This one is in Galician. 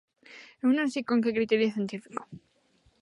Eu non sei con que criterio científico.